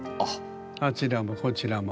あちらもこちらも。